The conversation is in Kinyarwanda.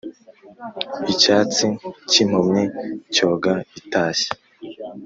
Icyansi k’impumyi cyoga itashye.